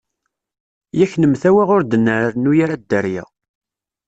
Yak nemtawa ur d nrennu ara dderya.